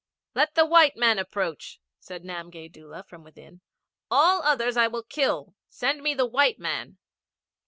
'Let the white man approach,' said Namgay Doola from within. All others I will kill. Send me the white man.'